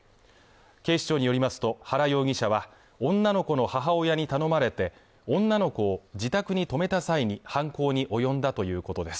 警視庁によりますと原容疑者は女の子の母親に頼まれて女の子を自宅に泊めた際に犯行に及んだということです